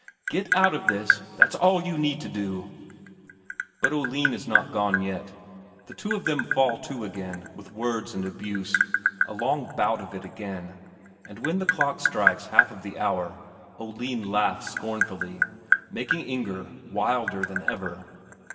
"Get out of this, that's all you need to do!" But Oline is not gone yet. The two of them fall to again with words and abuse, a long bout of it again, and when the clock strikes half of the hour, Oline laughs scornfully, making Inger wilder than ever.